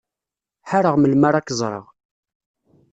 Ḥareɣ melmi ara k-ẓreɣ.